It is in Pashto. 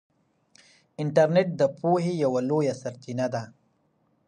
انټرنیټ د پوهې یوه لویه سرچینه ده.